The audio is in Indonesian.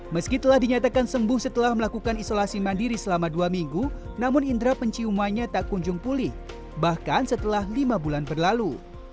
meski telah dinyatakan sembuh setelah melakukan isolasi mandiri selama dua minggu namun indera penciumannya tak kunjung pulih bahkan setelah lima bulan berlalu